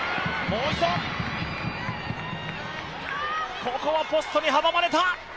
ここはポストに阻まれた！